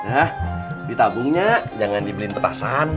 hah ditabungnya jangan dibeliin petasan